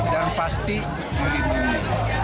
dan pasti dilindungi